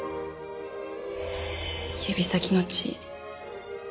指先の血。